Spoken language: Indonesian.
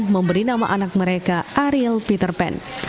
memberi nama anak mereka ariel peter pan